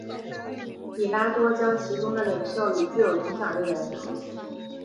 彼拉多将其中的领袖与具有影响力的人处死。